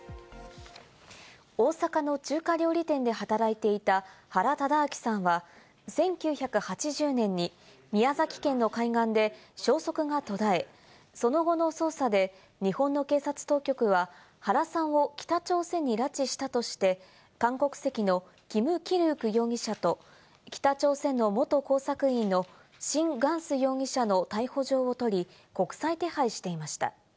大阪の中華料理店で働いていた原敕晁さんは、１９８０年に宮崎県の海岸で消息が途絶え、その後の捜査で、日本の警察当局は原さんを北朝鮮に拉致したとして、韓国籍のキム・キルウク容疑者と北朝鮮の元工作員のシン・グァンス容疑者の逮捕状を取り、国際手配していました。